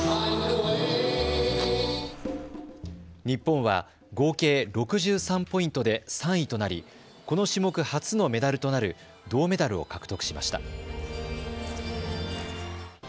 日本は合計６３ポイントで３位となりこの種目初のメダルとなる銅メダルを獲得しました。